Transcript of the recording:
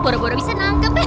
bora bora bisa nangkep ya